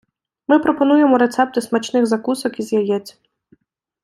Ми пропонуємо рецепти смачних закусок із яєць.